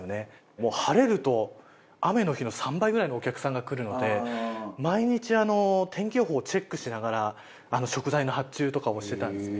もう晴れると雨の日の３倍ぐらいのお客さんが来るので毎日天気予報をチェックしながら食材の発注とかをしてたんですね。